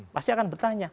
pasti akan bertanya